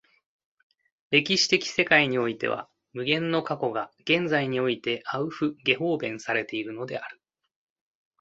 歴史的世界においては無限の過去が現在においてアウフゲホーベンされているのである。